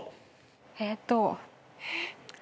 えっと。